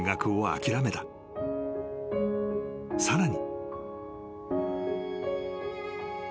［さらに］